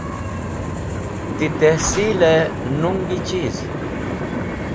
Ti Tehsil e nuñgi Cheez?